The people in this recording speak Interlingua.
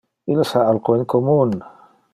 Illes ha alco in commun.